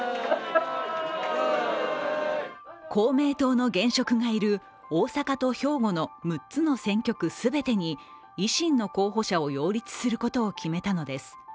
公明党の現職がいる大阪と兵庫の６つの選挙区全てに維新の候補者を擁立することを決めたのです。